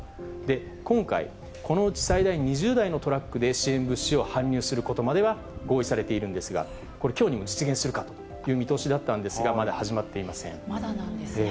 今回、このうち最大２０台のトラックで支援物資を搬入することまでは合意されているんですが、これきょうにも実現するかという見通しだったんですけれども、まだなんですね。